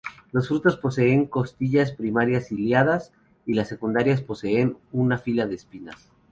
Los frutos poseen costillas primarias ciliadas y las secundarias poseen una fila de espinas.